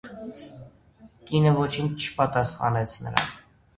Կինը ոչինչ չպատասխանեց նրան.